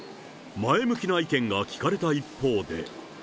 前向きな意見が聞かれた一方で。